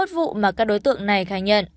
ba mươi một vụ mà các đối tượng này khai nhận